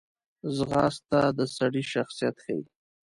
ځغاسته د سړي شخصیت ښیي